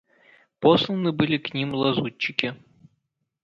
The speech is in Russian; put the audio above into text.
Посланы были к ним лазутчики.